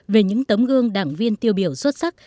về những tấm gương đảng viên tiêu biểu xuất sắc